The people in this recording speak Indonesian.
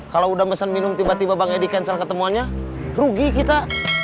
kalau udah mesen minum tiba tiba bang edi cancel ketemuannya rugi kita